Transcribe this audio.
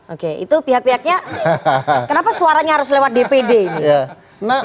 oke itu pihak pihaknya kenapa suaranya harus lewat dpd ini